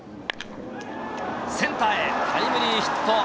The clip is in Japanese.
センターへタイムリーヒット。